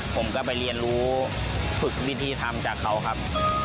ผมก็ไปเรียนรู้ฝึกวิธีทำจากเขาครับ